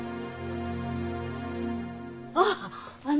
ああ。